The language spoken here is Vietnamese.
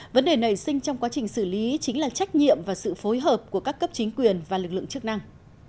vấn đề nảy sinh trong quá trình xử lý chính là trách nhiệm và sự phối hợp của các cấp chính quyền và lực lượng chức năng